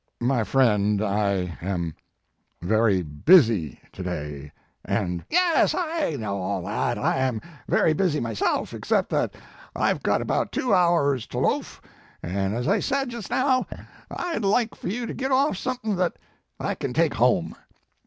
"My friend, I am very busy to day, and" "Yes, I know all that. I am very busy myself, except that I ve got about His Life and Work. 83 two hours to loaf, an as I said jest now, I d like for you to get oft something that I can take home.